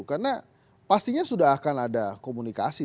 karena pastinya sudah akan ada komunikasi